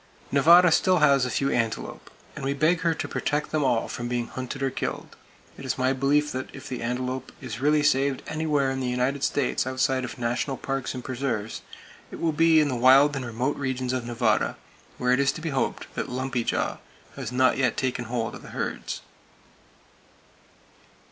Nevada still has a few antelope; and we beg her to protect them all from being hunted or killed! It is my belief that if the antelope is really saved anywhere in the United States outside of national parks and preserves, it will be in the wild and remote regions of Nevada, where it is to be hoped that lumpy jaw has not yet taken hold of the herds.